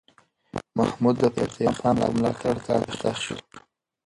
محمود د فتح خان په ملاتړ ښار ته داخل شو.